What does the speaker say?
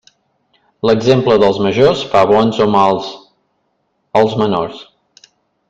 L'exemple dels majors, fa bons o mals als menors.